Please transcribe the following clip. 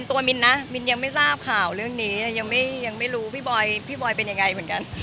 มินนะมินยังไม่ทราบข่าวเรื่องนี้ยังไม่รู้พี่บอยเป็นยังไงเหมือนกัน